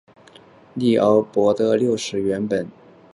利奥波德六世原本以为安德烈会接受摄政这荣誉。